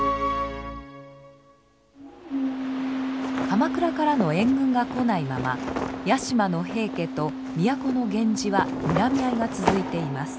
鎌倉からの援軍が来ないまま屋島の平家と都の源氏はにらみ合いが続いています。